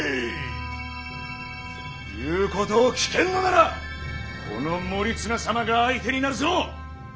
言うことを聞けんのならこの守綱様が相手になるぞ！